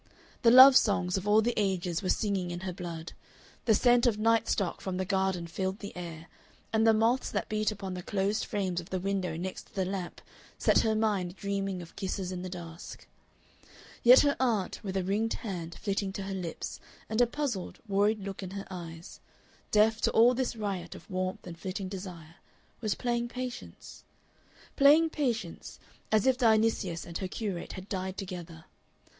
The love songs of all the ages were singing in her blood, the scent of night stock from the garden filled the air, and the moths that beat upon the closed frames of the window next the lamp set her mind dreaming of kisses in the dusk. Yet her aunt, with a ringed hand flitting to her lips and a puzzled, worried look in her eyes, deaf to all this riot of warmth and flitting desire, was playing Patience playing Patience, as if Dionysius and her curate had died together.